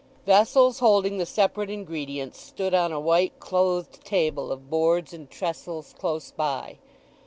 Vessels holding the separate ingredients stood on a white clothed table of boards and trestles close by.